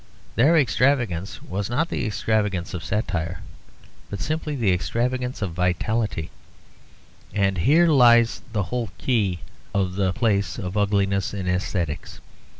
Their extravagance was not the extravagance of satire, but simply the extravagance of vitality; and here lies the whole key of the place of ugliness in aesthetics.